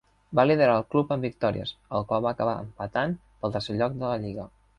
Va liderar el club en victòries, el qual va acabar empatant pel tercer lloc de la lliga.